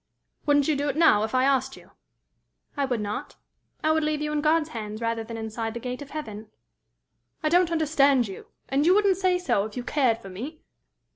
"Wouldn't you do it now, if I asked you?" "I would not. I would leave you in God's hands rather than inside the gate of heaven." "I don't understand you. And you wouldn't say so if you cared for me!